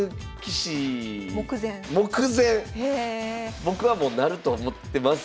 僕はもうなると思ってます。